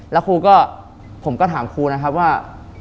แล้วครูก็ผมก็ถามครูนะครับว่า